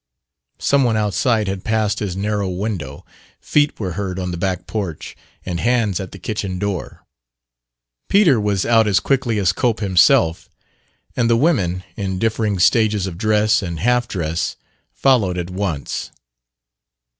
Some one outside had passed his narrow window; feet were heard on the back porch and hands at the kitchen door. Peter was out as quickly as Cope himself; and the women, in differing stages of dress and half dress, followed at once.